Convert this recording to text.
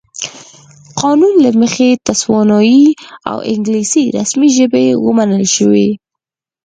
قانون له مخې تسوانایي او انګلیسي رسمي ژبې ومنل شوې.